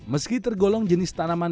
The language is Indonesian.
meski tergolong jenis tanaman